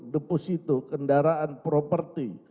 deposito kendaraan properti